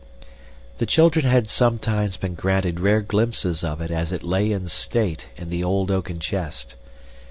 The children had sometimes been granted rare glimpses of it as it lay in state in the old oaken chest.